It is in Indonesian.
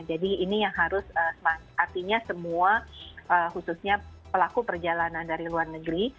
jadi ini yang harus artinya semua khususnya pelaku perjalanan dari luar negeri